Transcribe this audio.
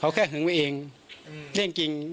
เขาแค่หึงไว้เองเรื่องจริง